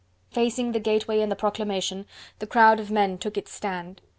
Facing the gateway and the proclamation, the crowd of men took its stand.